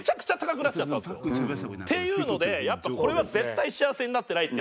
っていうのでやっぱこれは絶対幸せになってないって